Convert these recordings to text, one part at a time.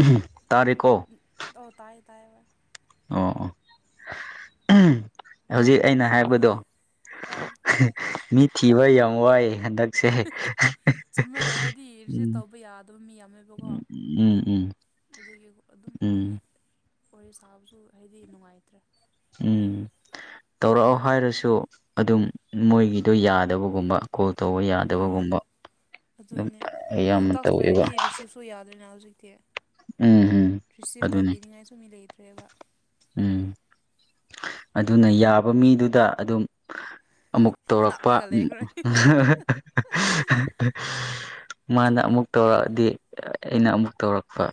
ꯎꯍꯝ ꯇꯥꯔꯦꯀꯣ ꯇꯧ ꯇꯥꯏ ꯇꯥꯏꯕ ꯑꯣꯑꫭ ꯑꯍꯝꯝ ꯍꯧꯖꯤꯛ ꯑꯩꯅ ꯍꯥꯏꯕꯗꯣ ꯑꯥ ꯃꯤ ꯊꯤꯕ ꯌꯥꯝ ꯋꯥꯏꯑ ꯍꯟꯗꯛꯁꯤ ꯆꯨꯝꯃꯦ ꯍꯥꯏꯗꯤ ꯔꯤꯁꯤꯞ ꯎꯝ ꯇꯧꯕ ꯌꯥꯗꯕ ꯃꯤ ꯌꯥꯝꯃꯦꯕꯀꯣ ꯎꯝ ꯎ ꯎꯝ ꯎꯝꯝ ꯑꯗꯨꯒꯤ ꯑꯗꯨꯝ ꯃꯤ ꯋꯥꯔꯤ ꯁꯥꯕꯁꯨ ꯍꯥꯏꯗꯤ ꯅꯨꯡꯉꯥꯏꯇ꯭ꯔꯦ ꯎꯝꯝ ꯇꯧꯔꯛꯑꯣ ꯍꯥꯏꯔꯁꯨ ꯑꯗꯨꯝ ꯃꯣꯏꯒꯤꯗꯣ ꯌꯥꯗꯕꯒꯨꯝꯕꯥ꯫ ꯀꯣꯜ ꯇꯧꯕ ꯑꯥ ꯌꯥꯗꯕꯒꯨꯝꯕ ꯑꯗꯨꯝ ꯑꯗꯨꯅꯦ ꯑꯌꯥꯝꯕꯅꯥ ꯇꯥꯛꯁ ꯇꯧꯋꯦꯕꯥ ꯂꯣꯏꯔꯗꯤ ꯔꯤꯁꯤꯞꯁꯨ ꯑꯗꯨ ꯌꯥꯗ꯭ꯔꯦꯅ ꯍꯧꯖꯤꯛꯇꯤ ꯎꯝ ꯎꯝ ꯔꯤꯁꯤꯞ ꯑꯗꯨꯅꯤ ꯇꯧꯕꯤꯅꯤꯉꯥꯏ ꯁꯨꯝ ꯃꯤ ꯂꯩꯇ꯭ꯔꯦꯕꯥ ꯎꯝ ꯑꯗꯨꯅ ꯌꯥꯕ ꯃꯤꯗꯨꯗꯥ ꯑꯗꯨꯝ꯫ ꯑꯃꯨꯛ ꯇꯧꯔꯛꯄ ꯅꯞꯔꯒ ꯂꯩꯈ꯭ꯔꯦ ꯃꯥꯅ ꯆꯨꯝꯃꯦ ꯑꯃꯨꯛ ꯇꯧꯔꯛꯑꯗꯤ ꯑꯩꯅ ꯑꯃꯨꯛ ꯇꯧꯔꯛꯄ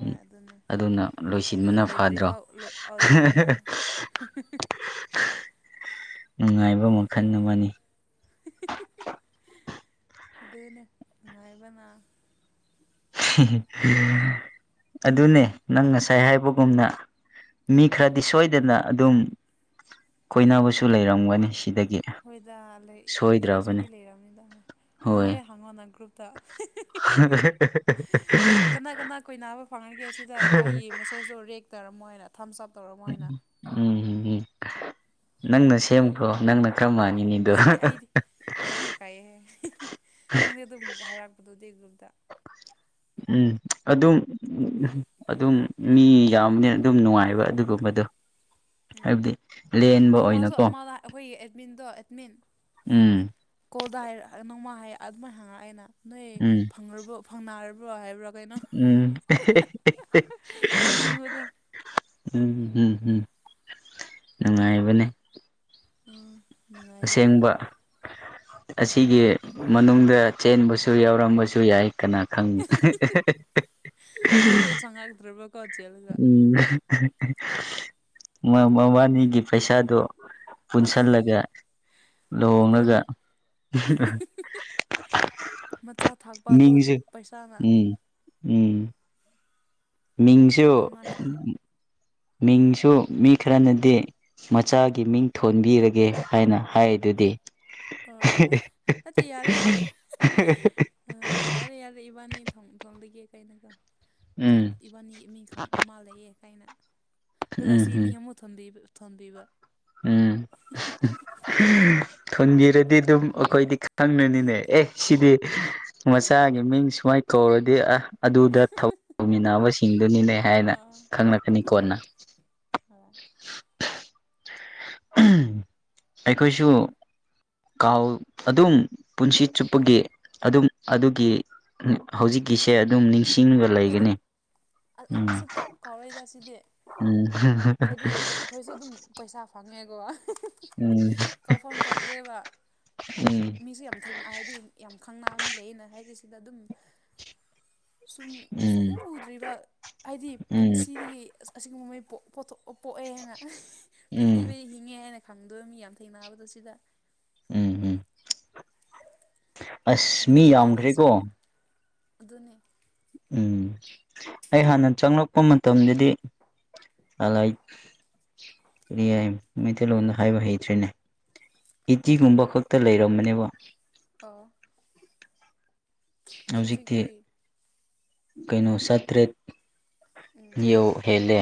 ꯎꯝ ꯑꯗꯨꯅꯦ ꯑꯗꯨꯅ ꯑꯗꯨꯝ ꯂꯣꯏꯁꯤꯟꯕꯅ ꯐꯗ꯭ꯔꯣ ꯂꯣꯏꯗ꯭ꯔꯤꯐꯥꯎ ꯍꯤ ꯍꯤ ꯅꯨꯡꯉꯥꯏꯕ ꯃꯈꯜ ꯑꯃꯅꯤ ꯍꯤ ꯍꯤ ꯍꯤ ꯑꯗꯨꯗꯅꯥ ꯉꯅꯨꯡꯉꯥꯏꯕꯅꯥ ꯑꯗꯨꯅꯦ ꯅꯪ ꯉꯁꯥꯏ ꯍꯥꯏꯕꯒꯨꯝꯅ ꯃꯤ ꯈꯔꯗꯤ ꯁꯣꯏꯗꯅꯥ ꯑꯗꯨꯝ ꯀꯣꯏꯅꯕꯁꯨ ꯂꯩꯔꯝꯒꯅꯤ ꯁꯤꯗꯒꯤ꯫ ꯍꯣꯏꯗ ꯁꯣꯏꯗ꯭ꯔꯕꯅꯦ ꯍꯧꯖꯤꯛꯇꯤ ꯂꯩꯔꯕꯔꯕꯅꯤꯗꯣꯏ ꯅꯪ ꯍꯣꯏ ꯍꯣꯔꯦꯟ ꯍꯪꯉꯣ ꯅꯪ ꯒ꯭ꯔꯨꯞ ꯇꯥ ꯍꯤ-ꯍꯤ-ꯍꯤ-ꯍꯤ ꯀꯅꯥ ꯀꯅꯥ ꯀꯏ ꯅꯥꯕ ꯐꯪꯍꯟꯒꯦ ꯁꯤꯗ ꯑꯩꯒꯤ ꯃꯦꯁꯦꯁꯇꯣ ꯔꯦꯛ ꯇꯧꯔꯝ ꯃꯣꯏꯅ ꯊꯝ ꯆꯞ ꯇꯧꯔ ꯃꯣꯏꯅ ꯎꯝ ꯎꯝ ꯎꯝ ꯅꯪꯅ ꯁꯦꯝꯈꯔꯣ ꯅꯪꯅ ꯈꯔ ꯃꯥꯟꯅꯤ ꯑꯁ ꯃꯤꯗꫭ ꯑꯩ ꯑꯩꯗꯤ ꯑꯩꯗꯤ ꯀꯥꯏꯑꯦꯍ ꯅꯪꯗꯦ ꯑꯗꯨꯝ ꯑꯃꯨꯛꯀ ꯍꯥꯏꯔꯛꯄꯗꯣ ꯗꯦ ꯒ꯭ꯔꯨꯞꯇ ꯎꯝ ꯑꯗꯨꯝ ꯑꯗꯨꯝ ꯃꯤ ꯌꯥꯝꯕꯅꯤꯅ ꯑꯗꯨꯝ ꯅꯨꯡꯉꯥꯏꯕ ꯑꯗꯨꯒꯨꯝꯕꯗꯣ ꯎꯝ ꯍꯥꯏꯕꯗꯤ ꯂꯦꯟꯕ ꯅꯣꯡꯃꯁꯨ ꯑꯣꯏꯅꯀꯣ ꯑꯃꯥ ꯑꯩꯈꯣꯏꯒꯤ ꯑꯦꯠꯃꯤꯟꯗꯣ ꯑꯦꯠꯃꯤꯟ꯫ ꯎꯝ ꯀꯣꯜꯗ ꯍꯥꯏꯔ ꯅꯣꯡꯃ ꯍꯥꯏ ꯑꯗꯨꯃꯥꯏꯅ ꯍꯥꯏꯌꯦꯅꯥ ꯅꯣꯏ ꯎꯝ ꯐꯪ ꯐꯪꯅꯔꯕ꯭ꯔꯣ ꯍꯥꯏꯔꯛ ꯎꯝ ꯑꯦ ꯍꯦ ꯑꯦ ꯍꯦ ꯅꯣꯛꯅꯤꯡꯕꯗꯣ ꯎꯝꯝꯝ ꯅꯨꯡꯉꯥꯏꯕꯅꯦ ꯑꯝ ꯑꯁꯦꯡꯕ ꯑꯁꯤꯒꯤ ꯃꯅꯨꯡꯗ ꯆꯦꯟꯕꯁꯨ ꯌꯥꯎꯔꯝꯕꯥ ꯌꯥꯏ ꯀꯅꯥ ꯈꯪ ꯉꯥꯎꯗꯔꯕꫭ ꯀꯣꯆꯦꯜꯒ ꯎꯝ ꯃꯕꯥꯅꯤꯒꯤ ꯄꯩꯁꯥꯗꯨꯣ ꯄꯨꯟꯁꯤꯜꯂꯒ ꯂꯨꯍꯣꯡꯂꯒ ꯑꯗꯨꯅꯦ ꯃꯆꯥ ꯊꯥꯛꯄ ꯑꯗꯨ ꯃꯤꯁꯦ ꯄꯩꯁꯥꯅ ꯎꯝ ꯎꯝ ꯃꯤꯡꯁꯨ ꯀꯅꯥ ꯈꯪ ꯃꯤꯡꯁꯨ ꯃꯤ ꯈꯔꯅꯗꯤ ꯃꯆꯥꯒꯤ ꯃꯤꯡ ꯊꯣꯟꯕꯤꯔꯒꯦ ꯍꯥꯏꯅ ꯍꯥꯏꯔꯤꯗꯨꯗꯤ ꯑ ꯑꯠꯇꯤ ꯌꯥꯔꯦ ꯑꯥ ꯌꯥꯔꯦ ꯌꯥꯔꯦ ꯏꯕꯥꯅꯤ ꯊꯨꯡ ꯊꯣꯟꯒꯦ ꯀꯥꯏꯅꯒ ꯎꯝ ꯏꯕꯥꯅꯤ ꯃꯤ ꯈꯪ ꯃꯥ ꯂꯩꯑ ꯀꯥꯏꯅ ꯑꯗꯨꯒ ꯎꯝ ꯁꯤ ꯎꯝ ꯃꯤꯡ ꯑꯃ ꯊꯣꯟꯕꯤꯕ ꯎꯝ ꯊꯣꯟꯕꯤꯔꯗꯤ ꯑꯗꯨꯝ ꯑꯩꯈꯣꯏꯗꯤ ꯈꯪꯅꯅꯤꯅꯦ ꯑꯦ ꯁꯤꯗꯤ ꯃꯁꯥꯒꯤ ꯃꯤꯡ ꯁꯨꯃꯥꯏ ꯀꯧꯔꯗꯤ ꯑꯥ ꯑꯗꯨꯗ ꯊꯕꯛ ꯃꯤꯟꯅꯕ ꯁꯤꯡꯗꯨꯅꯤꯅꯦ ꯍꯥꯏꯅ ꯈꯪꯂꯛꯀꯅꯤ ꯀꯣꯟꯅꯥ ꯑ ꯑꯩꯈꯣꯏꯁꯨ ꯀꯥꯎ ꯑꯗꯨꯝ ꯄꯨꯟꯁꯤ ꯆꯨꯞꯄꯒꯤ ꯑꯗꯨꯝ ꯑꯗꯨꯒꯤ ꯍꯧꯖꯤꯛꯀꯤꯁꯦ ꯑꯗꯨꯝ ꯅꯤꯡ ꯁꯤꯡꯒ ꯍꯣꯏ ꯍꯣꯏꯗ ꯂꯩꯒꯅꯤ ꯎꯝ ꯁꯨꯡꯀꯥꯎ ꯀꯥꯎꯔꯣꯏꯗ ꯁꯤꯗꯤ ꯎꯝ ꯍꯥꯏꯗꯤ ꯑꯩꯈꯣꯏꯁꯨ ꯑꯗꯨꯝ ꯄꯩꯁꯥ ꯐꯪꯉꯦꯀꯣ ꯎꯝ ꯀꯥꯎꯐꯝ ꯊꯣꯛꯇ꯭ꯔꯦꯕ ꯃꯤꯁꯨ ꯌꯥꯝ ꯁ°ꯡꯅ ꯍꯥꯏꯗꯤ ꯌꯥꯝ ꯈꯪꯅ ꯑꯃ ꯂꯩꯌꯦꯅ ꯍꯥꯏꯗꯤ ꯁꯤꯗ ꯑꯗꯨꯝ ꯁꯨꯝ ꯎꯝ ꯁꯨꯡꯎ ꯎꯗ꯭ꯔꯤꯕ ꯍꯥꯏꯗꯤ ꯎꯝ ꯎꯝ ꯄꯨꯟꯁꯤꯗꯒꯤ ꯑꯁꯤꯒꯨꯝꯕ ꯃꯩ ꯄꯣꯊꯣꯛ ꯑꯣ ꯄꯣꯛꯑꯦ ꯍꯥꯏꯅ ꯎꯝ ꯄ꯭ꯔꯤꯊꯤꯕꯤꯗꯤ ꯍꯤꯡꯉꯦ ꯍꯥꯏꯅ ꯈꯪꯗꯣꯏ ꯃꯤ ꯌꯥꯝ ꯊꯦꯡꯅꯕꯗꯣ ꯁꯤꯗ ꯎꯝꯝ ꯎꯝꯝ ꯄ꯭ꯔꯤꯊꯤꯕꯤꯗ ꯌꯥꯝꯈ꯭ꯔꯦꯀꯣ ꯑꯁꯤꯒꯨꯝꯕ ꯑꯗꯨꯅꯦ ꯎꯝ ꯑꯩ ꯍꯥꯟꯅ ꯆꯪꯂꯛꯄ ꯃꯇꯝꯗꯗꯤ ꯑꯂꯥꯏ ꯀꯔꯤ ꯃꯥꯏꯇꯩꯂꯣꯟꯗ ꯍꯥꯏꯕ ꯍꯩꯇ꯭ꯔꯤꯅꯦ ꯀꯔꯤ ꯏꯇꯤꯒꯨꯝꯕ ꯈꯛꯇ ꯂꯩꯔꯝꯕꯅꯦꯕꯥ ꯑꯥ ꯍꯧꯖꯤꯛꯇꯤ ꯀꯩꯅꯣ ꯆꯥꯇ꯭ꯔꯦꯠ꯫ ꯎꯝ ꯏꯌꯦ ꯍꯦꯂꯦ꯫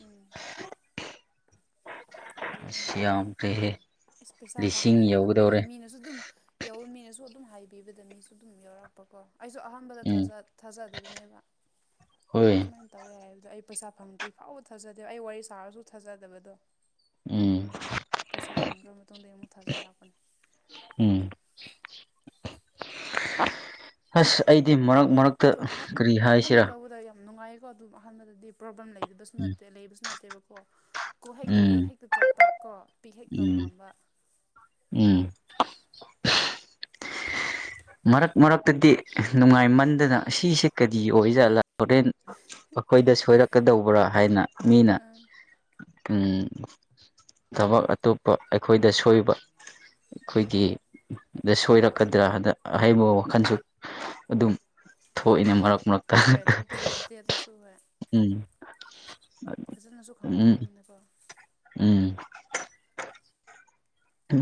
ꯎꯝ꯫ ꯑꯗꯨꯅ ꯑꯁ ꯌꯥꯝꯈ꯭ꯔꯦꯍꯦ ꯑꯁ ꯄꯩꯁꯥ ꯂꯤꯁꯤꯡ ꯐꯪꯉꯦꯅ ꯌꯧꯒꯗꯧꯔꯦ ꯈꯪꯕꯒꯤ ꯃꯤꯅꯁꯨ ꯑꯗꯨꯝ꯫ ꯌꯧ ꯃꯤꯅꯁꯨ ꯑꯗꯨꯝ ꯍꯥꯏꯕꯤꯕꯗ ꯃꯤꯁꯨ ꯑꯗꯨꯝ ꯌꯥꯎꯔꯛꯄꯀꯣ ꯑꯩꯁꯨ ꯑꯍꯥꯟꯕꯗ ꯎꯝ ꯊꯥꯖꯗꯕꯅꯦꯕ꯫ ꯍꯣꯏ꯫ ꯁꯨꯃꯥꯏꯅ ꯇꯧꯋꯦ ꯍꯥꯏꯕꯗꯣ ꯑꯩ ꯄꯩꯁꯥ ꯐꯪꯗ꯭ꯔꯤ ꯐꯥꯎꯕꯗ ꯊꯥꯖꯗꯦꯕ ꯑꯩ ꯋꯥꯔꯤ ꯁꯥꯔꯁꯨ ꯊꯥꯖꯗꯕꯗꯣ꯫ ꯎꯝ ꯄꯩꯁꯥ ꯐꯪꯈ꯭ꯔ ꯃꯇꯨꯡꯗ ꯑꯃꯨꯛ ꯊꯥꯖꯔꯛꯄꯅꯤ꯫ ꯎꯝ꯫ ꯑꯁ ꯑꯩꯗꯤ ꯃꯔꯛ꯫ ꯃꯔꯛꯇ ꯑꯗꫭ ꯑꯍꯥꯟ ꯀꯔꯤ ꯑꯍꯥꯟꯕ ꯍꯥꯏꯁꯤꯔꯥ ꯇꯧꯕꯗ ꯌꯥꯝ ꯅꯨꯡꯉꯥꯏ꯫ ꯑꯗꫭ ꯑꯗꯨꯝ ꯑꯍꯥꯟꯕꯗꯗꯤ ꯄ꯭ꯔꯣꯕ꯭ꯂꯦꯝ ꯂꯩꯗꯕꯁꯨ ꯅꯠꯇꯦ ꯂꯩꯕꯁꯨ ꯅꯠꯇꯦꯕꯀꯣ꯫ ꯀꯣꯛ ꯍꯦꯛ ꯇꯧꯕꯗꯣ ꯎꯝ ꯎꯝ ꯍꯦꯛꯇ ꯆꯠꯄ ꯀꯣ ꯄꯤꯛ ꯍꯦꯛ ꯇꯧꯕ ꯎꯝ ꯉꯝꯕ꯫ ꯎꯝ꯫ ꯃꯔꯛ ꯃꯔꯛꯇꯗꯤ ꯅꯨꯡꯉꯥꯏꯃꯟꯗꯅꯥ ꯁꯤꯁꯦ ꯀꯔꯤ ꯑꯣꯏꯖꯥꯠꯔꯥ ꯍꯣꯔꯦꯟ꯫ ꯑꯩꯈꯣꯏꯗ ꯁꯣꯏꯔꯛꯀꯗꯧꯕ꯭ꯔꯥ ꯍꯥꯏꯅ ꯃꯤꯅꯥ ꯎꯝ ꯎꯝ꯫ ꯊꯕꯛ ꯑꯇꯣꯞꯄ ꯑꯩꯈꯣꯏꯗ ꯁꯣꯏꯕ꯫ ꯑꯩꯈꯣꯏꯒꯤꯗ ꯁꯣꯏꯔꯛꯀꯗ꯭ꯔꯥ ꯍꯟꯗꯛ꯫ ꯑꯍ°ꯟꯕꯥ ꯋꯥꯈꯜꯁꯨ ꯑꯗꯨꯝ ꯊꯣꯛꯏꯅꯥ ꯃꯔꯛ ꯃꯔꯛ꯫ ꯍꯣꯏ ꯊꯣꯛꯇꯕꯥ ꯅꯠꯇꯦ ꯑꯗꯨꯁꯨ ꯍꯣꯏ꯫ ꯎꯝ꯫ ꯐꯖꯅꯁꯨ ꯎꯝ ꯈꯪꯗꯔꯕꯅꯤꯅꯀꯣ꯫ ꯎꯝ꯫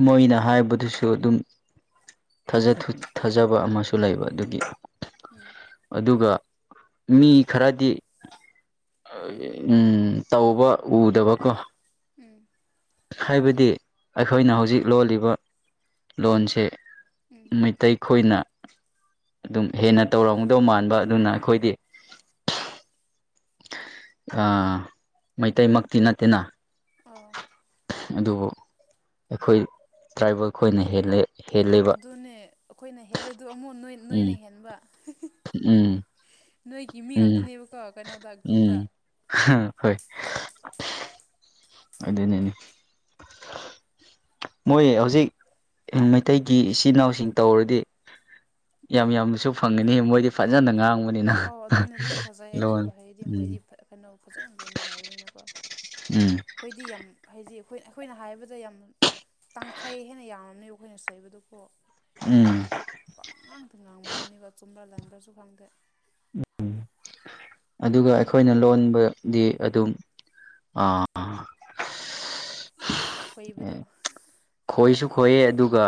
ꯃꯣꯏꯅꯥ ꯍꯥꯏꯕꯗꯁꯨ ꯑꯗꯨꯝ꯫ ꯊꯥꯖꯕ ꯑꯃꯁꯨ ꯂꯩꯕ ꯑꯗꯨꯒꯤ꯫ ꯎꯝ ꯑꯗꯨꯒ ꯃꯤ ꯈꯔꯗꯤ꯫ ꯎꯝ ꯇꯧꯕ ꯎꯗꯥꯕꯀꯣ꯫ ꯎꯝ꯫ ꯍꯥꯏꯕꯗꯤ ꯑꯩꯈꯣꯏꯅ ꯍꯧꯖꯤꯛ ꯂꯣꯜꯂꯤꯕ ꯂꯣꯟꯁꯤ꯫ ꯎꯝ ꯃꯩꯇꯩ ꯈꯣꯏꯅ ꯑꯗꯨꯝ ꯍꯦꯟꯅ ꯇꯧꯔꯝꯗꯧ ꯃꯥꯟꯕ ꯑꯗꯨꯅ ꯑꯩꯈꯣꯏꯗꯤ꯫ ꯃꯩꯇꯩꯃꯛꯇꯤ ꯅꯠꯇꯦꯅ꯫ ꯑꯣ ꯑꯗꯨꯕꯨ ꯑꯩꯈꯣꯏ ꯇ꯭ꯔꯥꯏꯕꯦꯜ ꯈꯣꯏꯅꯥ ꯍꯦꯜꯂꯦ ꯍꯦꯜꯂ°꯫ ꯑꯗꯨꯅꯦ ꯑꯩꯈꯣꯏꯅ ꯍꯦꯜꯂꯦꯗꫭ ꯑꯃꯨꯛ ꯎꯝ ꯅꯣꯏꯅ ꯍꯦꯟꯕꯥ꯫ ꯎꯝ꯫ ꯅꯣꯏꯒꯤ ꯃꯤ ꯎꯝ ꯉꯥꯛꯇꯅꯦꯕꯀꯣ ꯀꯩꯅꯣꯗ ꯒ꯭ꯔꯨꯞꯇ꯫ ꯎꯝ ꯍꯣꯏ꯫ ꯑꯗꯨꯅꯅꯤ꯫ ꯃꯣꯏ ꯍꯧꯖꯤꯛ ꯃꯩꯇꯩꯒꯤ ꯏꯆꯤꯜ ꯏꯅꯥꯎꯁꯤꯡ ꯇꯧꯔꯗꯤ꯫ ꯌꯥꯝ ꯌꯥꯝꯅꯁꯨ ꯐꯪꯒꯅꯤ ꯃꯣꯏꯗꯤ ꯐꯖꯅ ꯉꯥꯡꯕ꯫ ꯑꯧ ꯑꯗꯨꯅꯦ ꯑꯗꯨꯃꯥꯏꯅ ꯊꯥꯖꯩ ꯑꯩꯁꯨ ꯍꯥꯏꯗꯤ ꯎꯝ ꯃꯣꯏꯗꯤ ꯀꯩꯅꯣ ꯐꯖꯅ ꯂꯣꯟꯕ ꯍꯥꯏꯕꯅꯤꯅꯀꯣ꯫ ꯎꯝ꯫ ꯑꯩꯈꯣꯏꯗꯤ ꯌꯥꯝ ꯍꯥꯏꯗꯤ ꯑꯩꯈꯣꯏ ꯑꯩꯈꯣꯏꯅ ꯍꯥꯏꯕꯗ ꯌꯥꯝ꯫ ꯇꯪꯈꯥꯏ ꯍꯦꯟꯅ ꯌꯥꯝꯔꯝꯅꯦ ꯑꯩꯈꯣꯏꯅ ꯆꯩꯕꯗꯨꯕꯨ꯫ ꯎꯝ꯫ ꯄ ꯉꯥꯡꯇ ꯉꯥꯡꯕꯗꯨꯅꯦꯕ ꯑ ꯆꯨꯝꯕ꯭ꯔꯥ ꯂꯟꯕ꯭ꯔꯁꯨ ꯈꯪꯗꯦ꯫ ꯑꯗꯨꯒ ꯑꯩꯈꯣꯏꯅ ꯂꯣꯟꯕꯗꯤ ꯑꯗꯨꯝ꯫ ꯑꯥ꯫ ꯈꯣꯏꯕꯗꯣ꯫ ꯈꯣꯏꯁꯨ ꯈꯣꯏꯌꯦ ꯑꯗꯨꯒ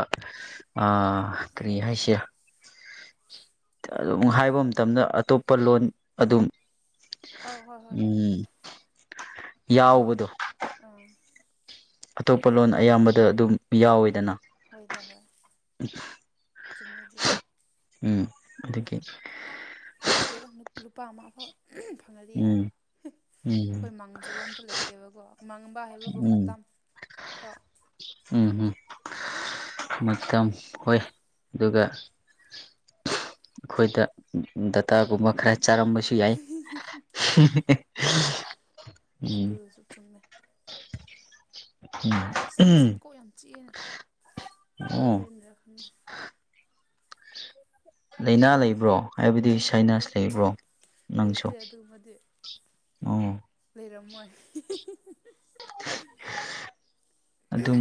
ꯀꯔꯤ ꯍꯥꯏꯁꯤꯔ꯫ ꯑꯗꯨꯝ ꯍꯥꯏꯕ ꯃꯇꯝꯗ ꯑꯇꯣꯞꯄ ꯂꯣꯟ ꯑꯗꯨꯝ꯫ ꯑꯧ ꯍꯣꯏ ꯍꯣꯏ ꯍꯣꯏ ꯎꯝ ꯑꯗꯨꯅꯤ ꯌꯥꯎꯕꯗꯣ ꯑꯥ ꯑꯇꯣꯞꯄ ꯂꯣꯟ ꯑꯌꯥꯝꯕꯗ ꯑꯗꯨꯝ ꯌꯥꯎꯋꯦꯗꯅ ꯍꯣꯏꯗ ꯍꯣꯏ ꯆꯨꯝꯃꯦ ꯑꯗꯨꯗꯤ ꯎꯝ ꯑꯗꯨꯗꯗꯒꯤꯦ ꯀꯩꯗꯦꯗ ꯂꯨꯄꯥ ꯑꯃꯐꯥꯎ ꯐꯪꯉꯗꯤ ꯌꯥꯔꯦ ꯎꯝ ꯎꯝ ꯑꯩꯈꯣꯏ ꯃꯥꯡꯖꯕ ꯑꯝꯇ ꯂꯩꯇꯦꯕꯀꯣ ꯃꯥꯡꯕ ꯍꯥꯏꯕꯕꯨ ꯎꯝ ꯃꯇꯝ ꯀꯣ ꯎꯝ ꯎꯝ ꯃꯇꯝ ꯍꯣꯏ ꯑꯗꯨꯒ ꯑꯩꯈꯣꯏꯗ ꯗꯇꯥꯒꯨꯝꯕ ꯈꯔ ꯆꯥꯔꯝꯕꯁꯨ ꯌꯥꯏ ꯍꯤꯍꯤ ꯍꯣꯏ ꯍꯣꯏ ꯑꯗꯨꯁꯨ ꯆꯨꯝꯃꯦ ꯏꯁꯤꯡ ꯉꯁꯤ ꯎꯝ ꯀꯣꯛ ꯌꯥꯝ ꯆꯤꯛꯑꯦꯅ ꯑꯣ ꯋꯦꯗꯔꯅꯤꯔ ꯈꯪꯅꯦ ꯂꯥꯏꯅꯥ ꯂꯩꯕ꯭ꯔꯣ ꯍꯥꯏꯕꯗꯤ ꯁꯥꯏꯅꯥꯁ ꯂꯩꯕ꯭ꯔꯣ ꯅꯪꯁꯣ ꯂꯩꯇꯦ ꯑꯗꯨꯒꯨꯝꯕꯗꯤ ꯑꯣ ꯂꯩꯔꯝꯃꯣꯏ ꯑꯗꯨꯝ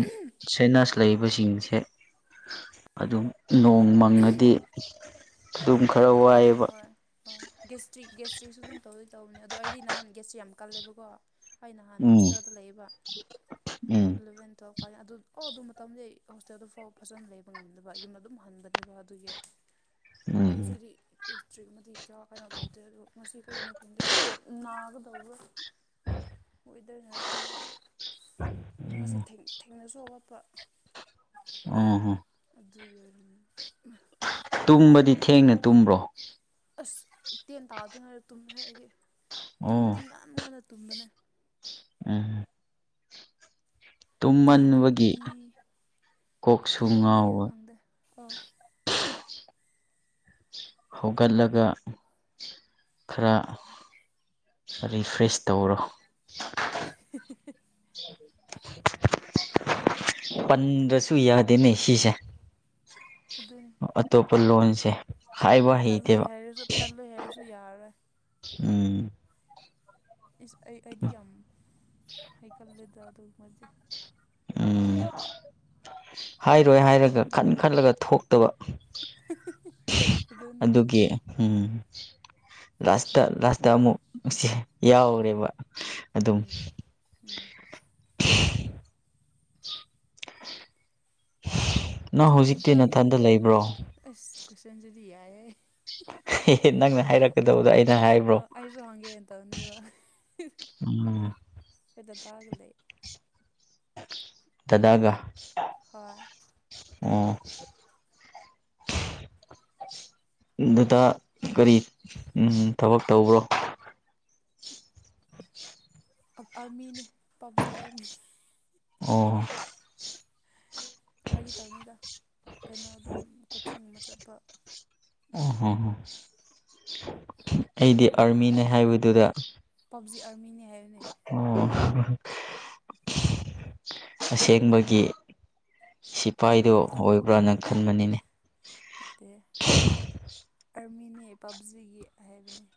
ꯁꯅꯥꯁ ꯂꯩꯕꯁꯤꯡꯁꯦ ꯑꯗꯨꯝ ꯅꯣꯡ ꯃꯪꯉꯗꯤ ꯑꯗꯨꯝ ꯈꯔ ꯑꯣ ꯋꯥꯏꯑꯦꯕ ꯍꯣꯏ ꯑꯣ ꯦꯁꯇ꯭ꯔꯤꯛ ꯦꯁꯇ꯭ꯔꯤꯛꯁꯨ ꯇꯧꯏ ꯇꯧꯕꯅꯦ ꯑꯗꯣ ꯑꯩꯗꯤ ꯅꯍꯥꯟ ꯒꯦꯁꯁꯦ ꯌꯥꯝ ꯀꯜꯂꯦꯕꯀꯣ ꯑꯩ ꯅꯍꯥꯟ ꯎꯝ ꯍꯣꯁꯇꯦꯜꯗ ꯂꯩꯌꯦꯕ ꯎꯝ ꯏꯂꯕꯦꯟ ꯇꯨꯋꯦꯜꯞ ꯀꯥꯏꯅꯤ ꯑꯗꯨ ꯑꯣ ꯑꯗꯨ ꯃꯇꯝꯗꯤ ꯑꯩ ꯍꯣꯁꯇꯦꯜꯗꯨ ꯐꯥꯎ ꯐꯖꯅ ꯂꯩꯕ ꯉꯝꯗꯕ ꯌꯨꯝ ꯑꯗꯨꯝ ꯍꯟꯕꯅꯦꯕ ꯑꯗꯨꯒꯤ ꯍ ꯑꯗꯨꯗꯨꯗꯤ ꯄꯦꯁꯇ꯭ꯔꯤꯛ ꯑꯃꯗꯤ ꯀꯌꯥ ꯀꯩꯅꯣ ꯇꯧꯗꯦ ꯃꯁꯤ ꯀꯩꯒꯤꯅꯣ ꯈꯪꯗꯦꯣꯏ ꯅꯥꯒꯗꯧꯔ [inaudible] ꯋꯦꯗꯔꯅꯔ ꯈꯪꯗꯦ ꯉꯁꯤ ꯊ°ꯡ ꯊꯦꯡꯅꯁꯨ ꯍꯧꯒꯠꯄ ꯑꯣ ꯑꯗꯨ ꯑꯣꯏꯔ ꯇꯨꯝꯕꯗꯤ ꯊꯦꯡꯅ ꯇꯨꯝꯕ꯭ꯔꯣ ꯑꯁ ꯇꯦꯟ ꯇꯥꯗ꯭ꯔꯤꯉꯩꯗ ꯇꯨꯝꯃꯦ ꯍꯦ ꯑꯩꯗꯤ ꯑꯣ ꯇꯨꯝꯕꯗꯤ ꯉꯥꯟ ꯉꯟꯅ ꯇꯨꯝꯕꯅꯦ꯫ ꯎꯝ ꯅꯥꯏꯟ ꯇꯨꯝꯃꯟꯕꯒꯤ ꯊꯥꯔꯇꯤ ꯀꯣꯛꯁꯨ ꯇꯃꯟꯕꯤꯒꯔꯥ ꯉꯥꯎꯕ ꯈꯪꯗꯦ ꯑꯧ ꯍꯧꯒꯠꯂꯒ ꯈꯔ ꯔꯤꯐ꯭ꯔꯦꯁ ꯇꯧꯔꯣ [inaudible] ꯄꯟꯗꯕꯁꯨ ꯌꯥꯗꯦꯅꯦ ꯁꯤꯁꯤ꯫ ꯑꯗꯨꯅꯤ ꯑꯇꯣꯞꯄ ꯂꯣꯣꯟꯁ ꯇꯜꯂꯣꯏ ꯍꯥꯏꯔꯁꯨ ꯇꯜꯂꯣꯏ ꯍꯥꯏꯔꯁꯨ ꯌꯥꯔꯣꯏ ꯎꯝ ꯏꯁ ꯑꯩ ꯑꯩꯗꯤ ꯌꯥꯝ ꯍꯩꯒꯜꯂꯦꯗꯥ ꯑꯗꯨꯃꯥꯗꯤ ꯎꯝ ꯍꯥꯏꯔꯣꯏ ꯍꯥꯏꯔꯒ ꯈꯟ ꯈꯜꯂꯒ ꯊꯣꯛꯇꯕ ꯑꯗꯨꯅ ꯑꯗꯨꯒꯤ ꯎꯝ ꯂꯥꯁꯇ ꯂꯥꯁꯇ ꯑꯃꯨꯛ ꯉ ꯌꯥꯎꯔꯦꯕ ꯑꯗꯨꯝ ꯎꯝꯝ [inaudible] ꯅꯪ ꯍꯧꯖꯤꯛꯇꯤ ꯅꯊꯟꯗ ꯂꯩꯕ꯭ꯔꯣ ꯑꯁ ꯀ꯭ꯋꯁꯟꯖꯂꯤ ꯌꯥꯌꯦ ꯑꯦ ꯅꯪꯅ ꯍꯥꯏꯔꯛꯀꯗꯕꯗꯣ ꯑꯩꯅ ꯍꯥꯏꯕ꯭ꯔꯣ ꯆ꯭ꯔꯣꯒꯦ ꯑꯦꯟ ꯇꯅꯤ ꯋꯥ ꯎ ꯑꯩꯈꫭꯏ ꯗꯥꯗꯥꯒ ꯂꯩ ꯗꯗꯥꯒ ꯍꯣꯏ ꯑꯣ ꯑꯗꯨꯗ ꯀꯔꯤ ꯊꯕꯛ ꯇꯧꯕ꯭ꯔꯣ [inaudible] ꯑꯥꯔꯃꯤꯅꯦ ꯄꯞꯖꯤ ꯑꯥꯔꯃꯤ ꯑꯣ ꯐꯥꯒꯤꯇꯧꯕꯅꯤꯗ ꯀꯩꯅꯣ ꯑꯗꯨꯝ ꯀꯣꯆꯤꯡꯒꯨꯝꯕ ꯆꯠꯄ ꯑꯣꯍꯣ ꯑꯩꯗꯤ ꯑꯥꯔꯃꯤꯅꯦ ꯍꯥꯏꯕꯗꯨꯗ ꯄꯕꯖꯤ ꯑꯥꯔꯃꯤꯅꯤ ꯍꯥꯏ ꯑꯣ ꯑꯁꯦꯡꯕꯒꯤ ꯁꯤꯐꯥꯏꯗꯣ ꯑꯣꯏꯕ꯭ꯔꯥ ꯈꯟꯕꯅꯤꯅꯦ ꯅꯠꯇꯦꯍꯦ ꯑꯥꯔꯃꯤꯅꯤ ꯄꯞꯖꯤꯒꯤ ꯍꯥꯏꯕꯅꯤ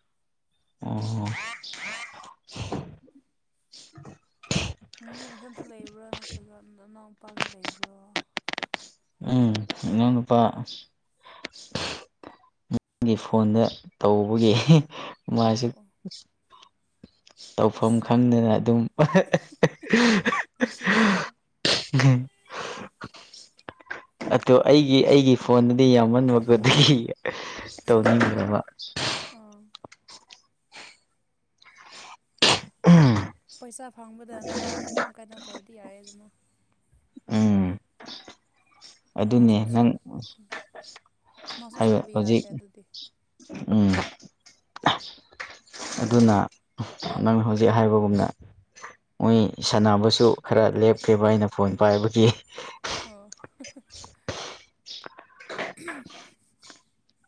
ꯑꯣ ꯅꯪꯗꯤ ꯅꯊꯟꯇ ꯂꯩꯕ꯭ꯔꯥ ꯅꯠꯇ꯭ꯔꯒ ꯅꯅꯥꯎ ꯅꯨꯄꯥꯒ ꯂꯩꯕ꯭ꯔꯣ ꯎꯝ ꯏꯅꯥꯎ ꯅꯨꯄꯥ ꯃꯤꯒꯤ ꯐꯣꯟꯗ ꯇꯧꯕꯒꯤ ꯃꯥꯥꯏꯁꯨ ꯑꯣ ꯇꯧꯐꯝ ꯏꯁ ꯈꯪꯗꯅ ꯑꯗꯨꯝ ꯅꯨꯡꯁꯤꯌꯦꯍꯦ ꯍꯝ [unintelligible] ꯑꯣ ꯑꯩꯒꯤ ꯑꯩꯒꯤ ꯐꯣꯟꯗꯗꯤ ꯌꯥꯝꯃꯟꯕꯒꯗꯤ ꯇꯧꯅꯤꯡꯗꯔꯕ ꯎꯝ ꯑꯩꯗ ꯄꯩꯁꯥ ꯐꯪꯕꯗ ꯅꯕꯅꯤ ꯑꯗꯨꯝ ꯀꯥꯏꯩꯅꯣ ꯇꯧꯔꯗꯤ ꯌꯥꯔꯦꯗꯅ ꯎꯝ ꯑꯗꯨꯅꯦ ꯅꯪ ꯃꯥꯁꯨ ꯃꯥꯁꯨ ꯍꯥꯏꯕ ꯁꯥꯎꯕ ꯍꯧꯖꯤꯛ ꯌꯥꯗꯦ ꯑꯗꯨꯗꯤ ꯎꯝ ꯑꯗꯨꯅ ꯅꯪ ꯍꯧꯖꯤꯛ ꯍꯥꯏꯕꯒꯨꯝꯅ ꯃꯣꯏ ꯁꯥꯟꯅꯕꯁꯨ ꯈꯔ ꯂꯦꯞꯀꯕ ꯑꯩꯅ ꯐꯣꯟ ꯄꯥꯏꯕꯒꯤ ꯑꯣ [unintelligible]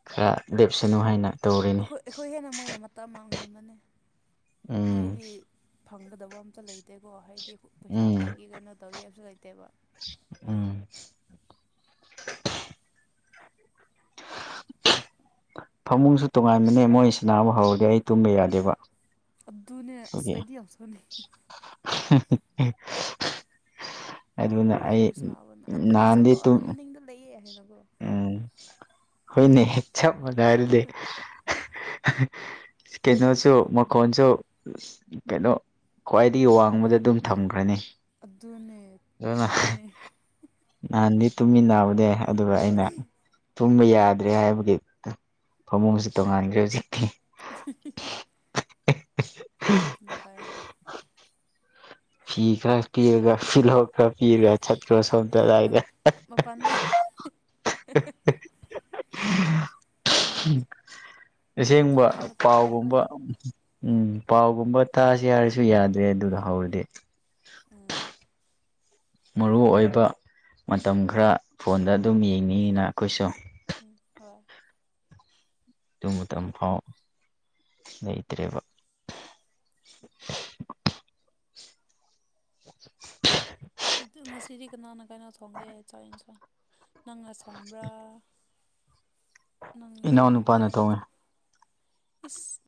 ꯈꯔ ꯂꯦꯞꯁꯅꯨ ꯍꯥꯏꯅ ꯇꯧꯔꯤꯅꯤ ꯑꯩꯈꯣꯏ ꯑꯩꯈꯣꯏ ꯍꯦꯟꯅ ꯃꯣꯏꯅ ꯃꯇꯝ ꯃꯥꯡꯍꯟꯕꯅꯦ ꯎꯝ ꯃꯣꯏꯗꯤ ꯐꯪꯒꯗꯕ ꯑꯝꯇ ꯂꯩꯇꯦꯀꯣ ꯍꯥꯏꯗꯤ ꯄꯩꯁꯥ ꯎꯝ ꯄꯤꯒꯦ ꯀꯩꯅꯣ ꯇꯧꯒꯦ ꯍꯥꯏꯕꯁꯨ ꯂꯩꯇꯦꯕ ꯎꯝ ꯐꯃꯨꯡꯁꯨ ꯇꯣꯉꯥꯟꯕꯅꯦ ꯃꯣꯏꯁꯥꯅꯥꯕ ꯍꯧꯔꯗꯤ ꯑꯩ ꯇꯨꯝꯕ ꯌꯥꯗꯦꯕ ꯑꯗꯨꯗꯨꯅꯦ ꯑꯁ ꯑꯗꯨꯒꯤ ꯑꯩꯗꯤ ꯁꯥꯎꯅꯤ [unintelligible] ꯑꯗꯨꯅ ꯑꯩ ꯅꯍꯥꯟꯗꯩ ꯇꯨꯝ ꯌꯨꯝꯗ ꯂꯩꯌꯦ ꯍꯥꯏꯅꯀꯣ ꯎꯝ ꯍꯣꯏꯅꯦ ꯆꯞ ꯃꯅꯔ‌ꯦꯅ‌ꯦ ꯀꯩꯅꯣꯁꯨ ꯃꯈꯣꯟꯁꯨ ꯀꯩꯅꯣ ꯈ꯭ꯋꯥꯏꯗꯒꯤ ꯋꯥꯡꯕꯗ ꯑꯗꯨꯝ ꯊꯝꯈ꯭ꯔꯅꯤ ꯑꯗꯨꯅꯦ ꯑꯗꯨ ꯑꯗꯨꯅꯦ ꯅꯍꯥꯟꯗꯤ ꯇꯨꯝꯃꯤꯟꯅꯕꯅꯦ ꯑꯗꯨꯒ ꯑꯩꯅ ꯇꯨꯝꯕ ꯌꯥꯗ꯭ꯔꯦ ꯍꯥꯏꯕꯒꯤ ꯐꯃꯨꯡꯁꯨ ꯇꯣꯡꯉꯥꯟꯈ꯭ꯔꯦ ꯍꯧꯖꯤꯛꯇꯤ [unintelligible] ꯑꯗꯨꯅꯥ ꯐꯩꯌꯦ ꯐꯤ ꯈꯔ ꯄꯤꯔꯒ ꯄꯤꯂꯣ ꯈꯔ ꯄꯤꯔꯒ ꯆꯠ꯭ꯔꯣ ꯁꯣꯝꯇ [unintelligible] ꯃꯄꯥꯟꯗ [unintelligible] ꯑꯁꯦꯡꯕ ꯈꯪꯍꯥꯡꯕ ꯇꯥꯕꯅꯦ ꯄꯥꯎꯒꯨꯝꯕ ꯑꯗꯨꯃꯥꯏꯅ ꯎꯝ ꯄꯥꯎꯒꯨꯝꯕ ꯇꯥꯁꯤ ꯍꯥꯏꯔꯁꯨ ꯌꯥꯗ꯭ꯔꯦ ꯑꯗꯨꯗ ꯍꯧꯔꯗꯤ ꯎꯝ ꯃꯔꯨ ꯑꯣꯏꯕ ꯃꯇꯝ ꯈꯔ ꯐꯣꯟꯗ ꯑꯗꯨꯝ ꯌꯦꯡꯅꯤꯡꯉꯤꯅ ꯑꯩꯈꯣꯏꯁꯨ ꯎꯝ ꯍꯣꯏ ꯑꯗꯨ ꯃꯇꯝ ꯐꯥꯎ ꯂꯩꯇ꯭ꯔꯦꯕ [inaudible] ꯉꯁꯤꯗꯤ ꯀꯅꯥꯅ ꯀꯅꯥ ꯊꯣꯡꯒꯦ ꯆꯥꯛ ꯏꯟꯁꯥꯡ ꯅꯪꯂ ꯁꯣꯡꯕ꯭ꯔꯥ ꯅꯪ ꯏꯅꯥꯎꯅꯨꯄꯥꯅ ꯊꯣꯡꯉꯦ ꯅꯎꯅꯠꯇ ꯏꯁ